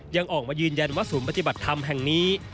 ยังออกมายืนยันว่าศูนย์ปฏิบัติธรรมแห่งนี้